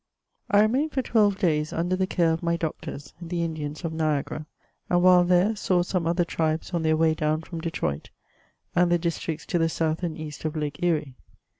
I BEMAiNED for twelve days under the care of my doctors, the Indians of Niagara, and while there, saw some other tribes on their way down from Detroit, and the districts to the south and east of Lake Erie.